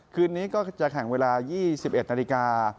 คืนนี้ก็จะแข่งเวลา๒๑นาฬิกา